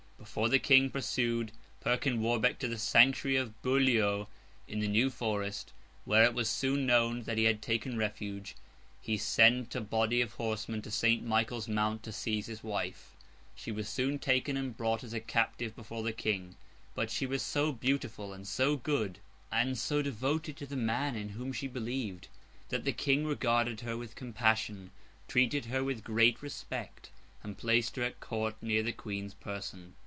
Before the King pursued Perkin Warbeck to the sanctuary of Beaulieu in the New Forest, where it was soon known that he had taken refuge, he sent a body of horsemen to St. Michael's Mount, to seize his wife. She was soon taken and brought as a captive before the King. But she was so beautiful, and so good, and so devoted to the man in whom she believed, that the King regarded her with compassion, treated her with great respect, and placed her at Court, near the Queen's person.